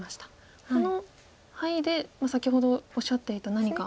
このハイで先ほどおっしゃっていた何か。